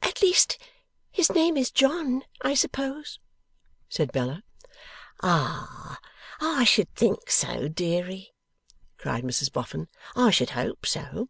'At least, his name is John, I suppose?' said Bella. 'Ah! I should think so, deary!' cried Mrs Boffin. 'I should hope so!